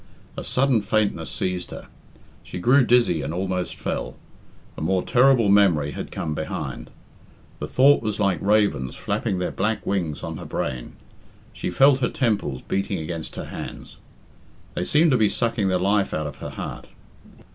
A sudden faintness seized her. She grew dizzy and almost fell. A more terrible memory had come behind. The thought was like ravens flapping their black wings on her brain. She felt her temples beating against her hands. They seemed to be sucking the life out of her heart.